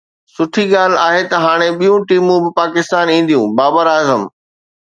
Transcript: سٺي ڳالهه آهي ته هاڻي ٻيون ٽيمون به پاڪستان اينديون: بابر اعظم